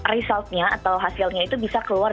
resultnya atau hasilnya itu bisa keluar